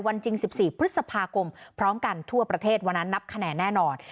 จริง๑๔พฤษภาคมพร้อมกันทั่วประเทศวันนั้นนับคะแนนแน่นอน